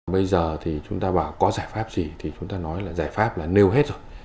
bây giờ thì chúng ta bảo có giải pháp gì thì chúng ta nói là giải pháp là nêu hết rồi